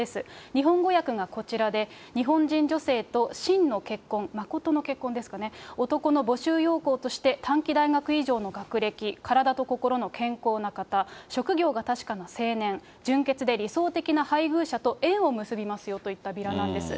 日本語訳がこちらで、日本人女性と真の結婚、まことの結婚ですかね、男の募集要項として、短期大学以上の学歴、体と心の健康な方、職業が確かな青年、純潔で理想的な配偶者と縁を結びますよといったビラなんです。